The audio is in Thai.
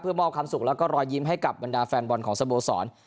มอบความสุขแล้วก็รอยยิ้มให้กับบรรดาแฟนบอลของสโมสร